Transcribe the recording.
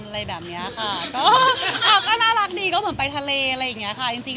เริ่มถ่ายเล็กไปเรากำลังละแหละรายศน์ที่รัญยอง